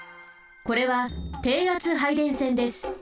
これは低圧配電線です。